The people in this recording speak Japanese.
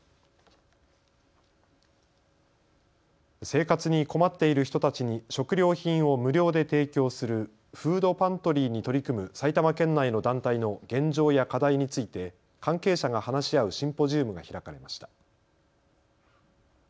生活に困っている人たちに食料品を無料で提供するフードパントリーに取り組む埼玉県内の団体の現状や課題について関係者が話し合うシンポジウムが開かれました。